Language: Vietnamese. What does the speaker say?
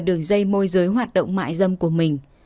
dưới hoạt động mại dâm của mình